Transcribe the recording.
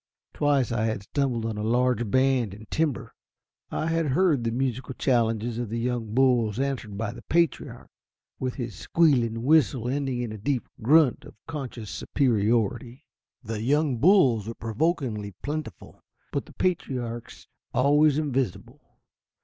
Twice I had stumbled on a large band in timber. I had heard the musical challenges of the young bulls answered by the patriarch, with his squealing whistle ending in a deep grunt of conscious superiority. The young bulls were provokingly plentiful but the patriarchs always invisible.